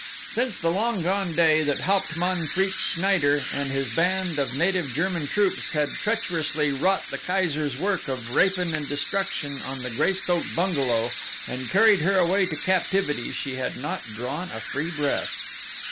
Since the long gone day that Hauptmann Fritz Schneider and his band of native German troops had treacherously wrought the Kaiser's work of rapine and destruction on the Greystoke bungalow and carried her away to captivity she had not drawn a free breath.